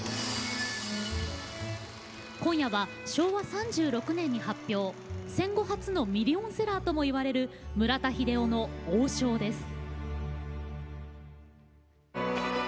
今夜は昭和３６年に発表戦後初のミリオンセラーともいわれる村田英雄の「王将」です。